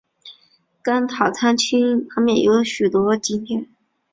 甘丹塔钦旁边有许多景点。